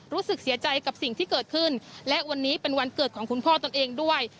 รู้สึกเสียใจกับสิ่งที่เกิดขึ้นและวันนี้เป็นวันเกิดของคุณพ่อตนเองด้วย